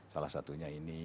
salah satunya ini